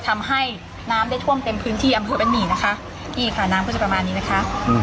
ทำให้น้ำได้ท่วมเต็มพื้นที่อำเภอบ้านหมี่นะคะนี่ค่ะน้ำก็จะประมาณนี้นะคะอืม